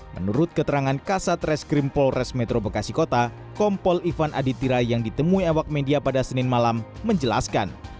menurut keterangan kasat reskrim polres metro bekasi kota kompol ivan aditira yang ditemui awak media pada senin malam menjelaskan